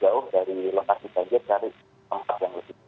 jadi kita harus mencari warga yang lebih baik